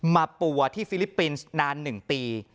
ปัวที่ฟิลิปปินส์นาน๑ปี